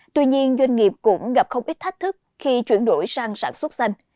tuy nhiên doanh nghiệp cũng gặp không ít thách thức khi chuyển đổi sang sản xuất xanh